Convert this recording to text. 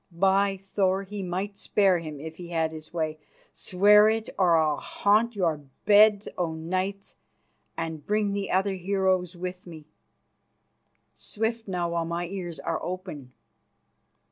By Thor, he might spare him if he had his way. Swear it, or I'll haunt your beds o' nights and bring the other heroes with me. Swift now, while my ears are open."